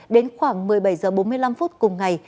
đến khoảng một mươi bảy h bốn mươi năm cùng ngày